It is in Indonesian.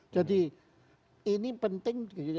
jadi ini penting